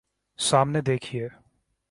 سامنے دیکھئے